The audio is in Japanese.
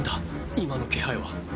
今の気配は。